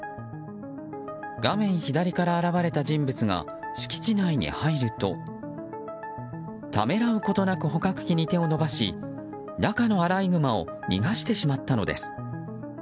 画面左から現れた人物が敷地内に入るとためらうことなく捕獲器に手を伸ばし中のアライグマを逃がしてしまったのです。